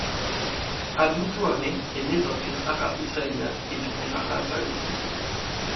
Abu Toameh est né d'un père arabe israélien et d'une mère arabe palestinienne.